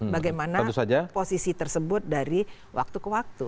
bagaimana posisi tersebut dari waktu ke waktu